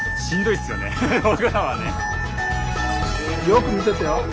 よく見ててよ。